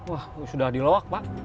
wah sudah diluak pak